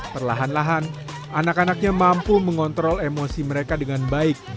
perlahan lahan anak anaknya mampu mengontrol emosi mereka dengan baik